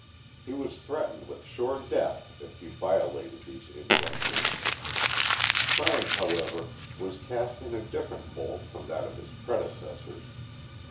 He was threatened with sure death if he violated these injunctions. Frank, however, was cast in a different mold from that of his predecessors.